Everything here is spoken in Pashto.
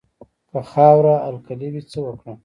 که خاوره القلي وي څه وکړم؟